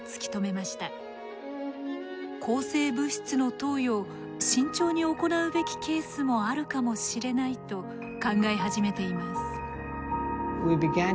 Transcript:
抗生物質の投与を慎重に行うべきケースもあるかもしれないと考え始めています。